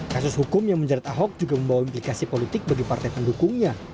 kasus hukum yang menjerat ahok juga membawa implikasi politik bagi partai pendukungnya